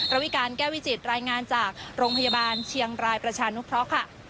วิการแก้วิจิตรายงานจากโรงพยาบาลเชียงรายประชานุเคราะห์ค่ะ